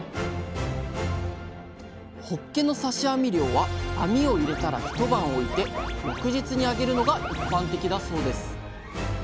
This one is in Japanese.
ほっけの刺し網漁は網を入れたら一晩置いて翌日にあげるのが一般的だそうです。